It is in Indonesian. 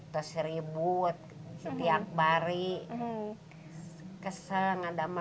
dan kemarin akan mengubah penulis kepada anak buah